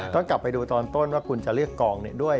ต้องกลับไปดูตอนต้นว่าคุณจะเรียกกองด้วย